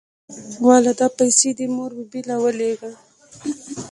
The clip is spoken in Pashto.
واله دا پيسې دې مور بي بي له ولېږه.